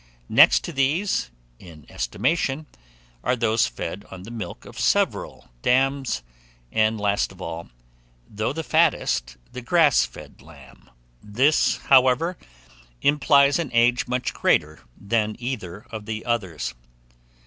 Next to these in estimation are those fed on the milk of several dams, and last of all, though the fattest, the grass fed lamb; this, however, implies an age much greater than either of the others.